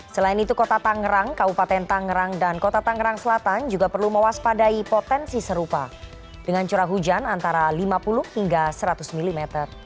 selain itu kota tangerang kabupaten tangerang dan kota tangerang selatan juga perlu mewaspadai potensi serupa dengan curah hujan antara lima puluh hingga seratus mm